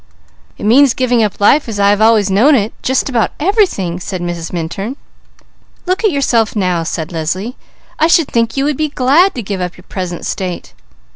"It means giving up life as I have known it always, just about everything!" said Mrs. Minturn. "Look at yourself now!" said Leslie. "I should think you would be glad to give up your present state."